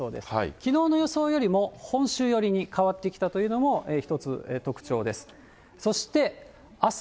きのうの予想よりも本州寄りに変わってきたというのも一つ、特徴です。